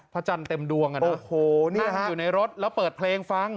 จันทร์เต็มดวงอ่ะนะอยู่ในรถแล้วเปิดเพลงฟัง